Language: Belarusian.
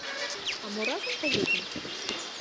А мо разам паедзем?